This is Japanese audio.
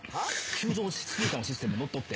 球場のスピーカーのシステム乗っ取る？